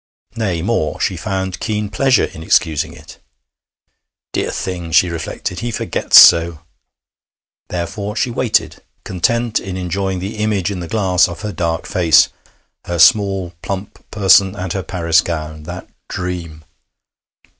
Nay, more, she found keen pleasure in excusing it. 'Dear thing!' she reflected, 'he forgets so.' Therefore she waited, content in enjoying the image in the glass of her dark face, her small plump person, and her Paris gown that dream!